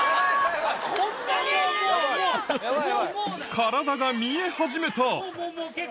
体が見え始めた！